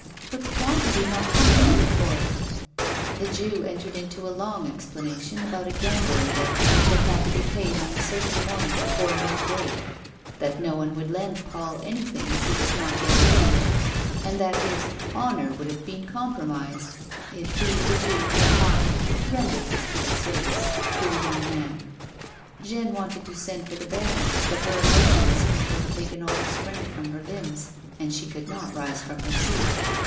" But why did he not come to me for it 1 " The Jew entered into a long explanation about a gambling debt which had had to be paid on a certain morning before mid day, that no one would lend Paul anything as he was not yet of age, and that his " honour would have been com promised," if he, the Jew, had not " rendered this little ser vice " to the young man. Jeanne wanted to send for the baron, but her emotion seemed to have taken all the strength from her limbs, and she could not rise from her seat.